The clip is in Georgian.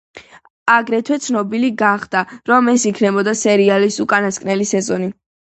აგრეთვე ცნობილი გახდა, რომ ეს იქნებოდა სერიალის უკანასკნელი სეზონი.